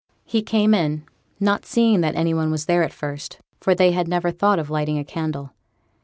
He came in, not seeing that any one was there at first; for they had never thought of lighting a candle.